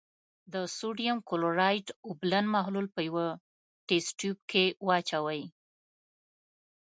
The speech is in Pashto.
د سوډیم کلورایډ اوبلن محلول په یوه تست تیوب کې واچوئ.